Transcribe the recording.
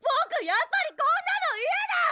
やっぱりこんなのいやだ！